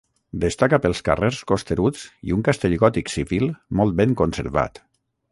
Destaca pels carrers costeruts i un castell gòtic civil molt ben conservat.